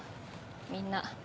みんな。